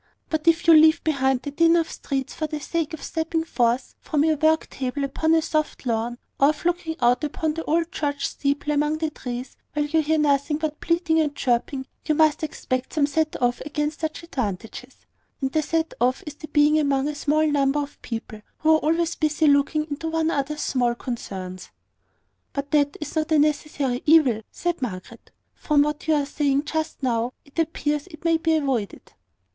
But if you leave behind the din of streets for the sake of stepping forth from your work table upon a soft lawn, or of looking out upon the old church steeple among the trees, while you hear nothing but bleating and chirping, you must expect some set off against such advantages: and that set off is the being among a small number of people, who are always busy looking into one another's small concerns." "But this is not a necessary evil," said Margaret. "From what you were saying just now, it appears that it may be avoided."